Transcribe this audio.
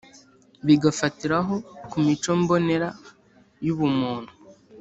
bigafatiraho ku mico mbonera yubumuntu